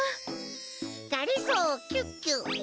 がりぞーキュッキュッ。